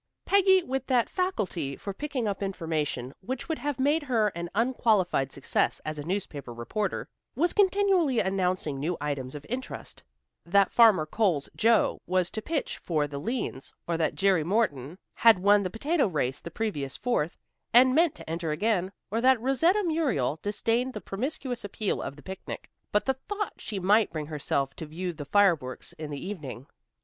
Peggy, with that faculty for picking up information which would have made her an unqualified success as a newspaper reporter, was continually announcing new items of interest, that Farmer Cole's Joe was to pitch for the "Leans," or that Jerry Morton had won the potato race the previous Fourth, and meant to enter again, or that Rosetta Muriel disdained the promiscuous appeal of the picnic, but thought she might bring herself to view the fireworks in the evening.